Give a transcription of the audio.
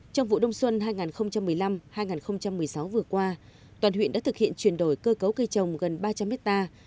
trong vụ đông xuân hai nghìn một mươi năm hai nghìn một mươi sáu vừa qua toàn huyện đã thực hiện chuyển đổi cơ cấu cây trồng gần ba trăm linh hectare